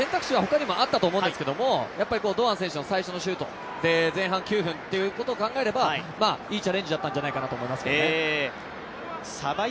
選択肢は他にもあったと思うんですけど、堂安選手の最初のシュート、前半９分ということを考えればいいチャレンジだったんじゃないかと思います。